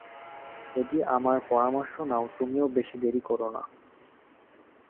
যদি আমার পরামর্শ নাও, তুমিও বেশি দেরি কোরো না।